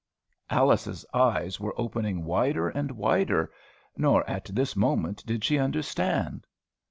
Alice's eyes were opening wider and wider, nor at this moment did she understand.